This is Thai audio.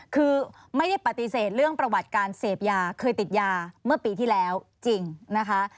คือไม่ได้ปฏิเสธเรื่องประวัติการเสพยาเคยติดยาเมื่อปีที่แล้วจริงนะคะ